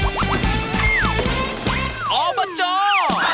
อ้อบจพระเจ้า